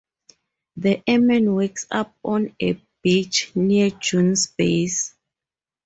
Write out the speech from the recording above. The airman wakes up on a beach near June's base.